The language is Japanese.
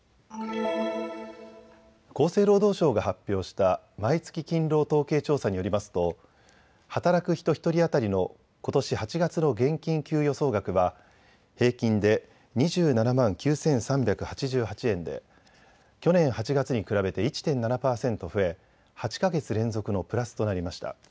厚生労働省が発表した毎月勤労統計調査によりますと働く人１人当たりのことし８月の現金給与総額は平均で２７万９３８８円で去年８月に比べて１．７％増え８か月連続のプラスとなりました。